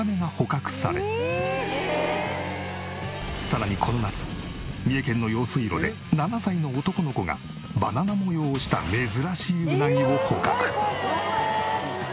さらにこの夏三重県の用水路で７歳の男の子がバナナ模様をした珍しいウナギを捕獲。